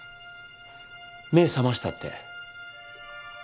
目覚ましたって。